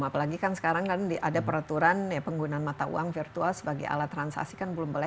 apalagi kan sekarang kan ada peraturan penggunaan mata uang virtual sebagai alat transaksi kan belum boleh